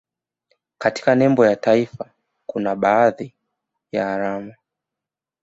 Katika nembo ya taifa la kuna badahi ya alama